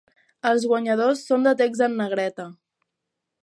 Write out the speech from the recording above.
Els guanyadors són de text en negreta.